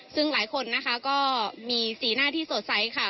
ซึ่งหลายคนนะคะก็มีสีหน้าที่สดใสค่ะ